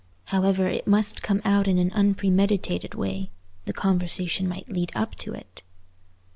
However, it must come out in an unpremeditated way; the conversation might lead up to it.